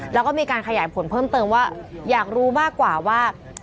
แล้วก็มีการขยายผลเพิ่มเติมว่าอยากรู้มากกว่าว่า